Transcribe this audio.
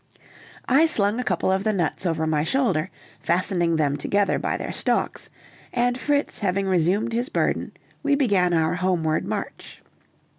I slung a couple of the nuts over my shoulder, fastening them together by their stalks, and Fritz having resumed his burden, we began our homeward march.